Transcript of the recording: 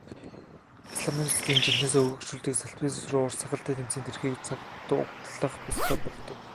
Исламистуудыг жинхэнээсээ өөгшүүлдэг салафизм руу урт сахалтай тэмцээд ирэхийн цагт тулах л ёстой болдог.